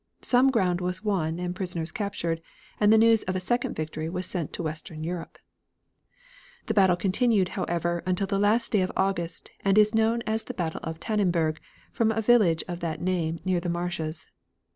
Some ground was won and prisoners captured, and the news of a second victory was sent to western Europe. The battle continued, however, until the last day of August and is known as the battle of Tannenberg, from a village of that name near the marshes.